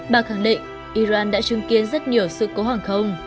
bà khẳng định iran đã chứng kiến rất nhiều sự cố hàng không